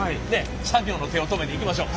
作業の手を止めていきましょう。